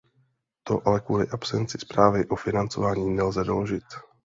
To ale kvůli absenci zprávy o financování nelze doložit.